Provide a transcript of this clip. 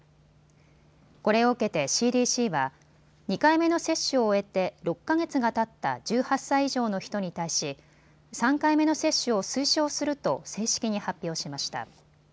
これを受けてＣＤＣは２回目の接種を終えて６か月がたった１８歳以上の人に対し３回目の接種を推奨すると正式に発表しました。